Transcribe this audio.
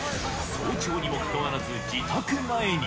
早朝にもかかわらず、自宅前に。